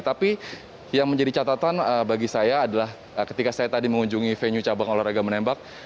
tapi yang menjadi catatan bagi saya adalah ketika saya tadi mengunjungi venue cabang olahraga menembak